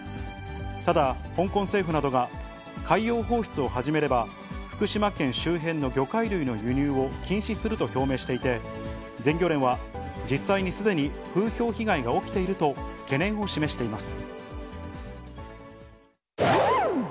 ただ、香港政府などが、海洋放出を始めれば、福島県周辺の魚介類の輸入を禁止すると表明していて、全漁連は、実際にすでに風評被害が起きていると懸念を示しています。